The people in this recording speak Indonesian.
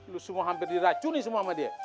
lo semua hampir diracun nih sama dia